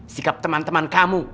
sikap teman teman kamu